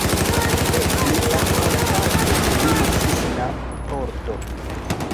Mi akompanis lin ĝis la pordo.